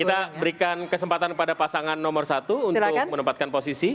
kita berikan kesempatan pada pasangan nomor satu untuk menempatkan posisi